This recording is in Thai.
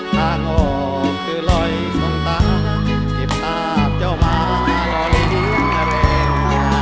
ทางออกจะลอยสองตาเก็บตาจ้าวมารารีแหลง